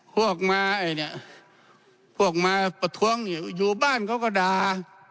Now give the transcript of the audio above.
พวกมาไอ้เนี่ยพวกมาประท้วงเนี่ยอยู่บ้านเขาก็ด่า